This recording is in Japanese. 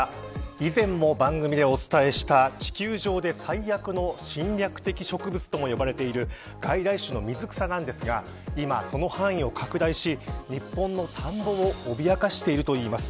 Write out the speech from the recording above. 以前も番組でお伝えした地球上で最悪の侵略的植物とも呼ばれている外来種の水草なんですが今、その範囲を拡大し日本の田んぼをおびやかしているといいます。